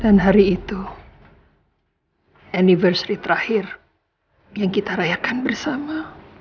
dan hari itu anniversary terakhir yang kita rayakan bersama